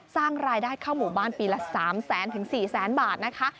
สร้างรายได้เข้าหมู่บ้านปีละ๓แสนถึง๔แสนบาทนะคะ